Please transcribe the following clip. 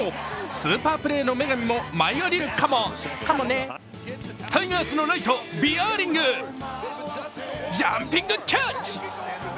スーパープレーの女神も舞い降りるカモねタイガースのライト・ビアーリングジャンピングキャッチ！